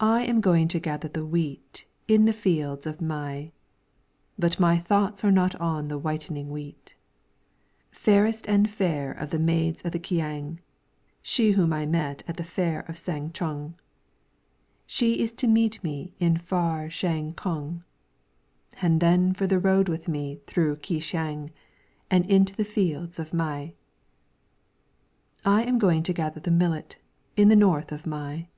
I AM going to gather the wheat In the fields of Mei. But my thoughts are not on the whitening wheat. Fairest and fair of the maids of the Keang, She whom I met at the fair of Sang chung, She is to meet me in far Shang kung, And then for the road with me through Ke shang, And into the fields of Mei. I am going to gather the millet In the north of Mei.